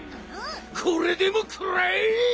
これでもくらえ！